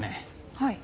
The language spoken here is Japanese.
はい。